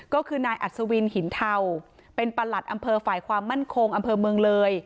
ก็คือนายอัศวินหินเทาเป็นประหลัดอำเภอฝ่ายความมั่นคงอำเภอเมืองเลย